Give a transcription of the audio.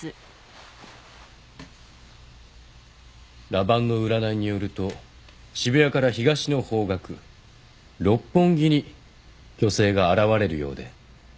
羅盤の占いによると渋谷から東の方角六本木に巨星が現れるようで。